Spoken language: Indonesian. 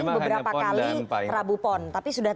beberapa kali rabu pon tapi sudah